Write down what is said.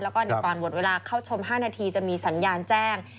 แล้วก็ก่อนหมดเวลาเข้าชม๕นาทีจะมีสัญญาณแจ้ง